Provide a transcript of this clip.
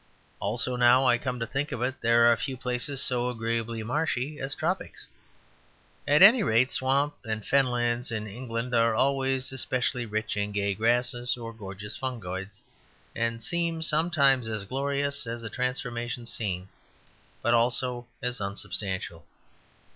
Also, now I come to think of it, there are few places so agreeably marshy as tropics. At any rate swamp and fenlands in England are always especially rich in gay grasses or gorgeous fungoids; and seem sometimes as glorious as a transformation scene; but also as unsubstantial.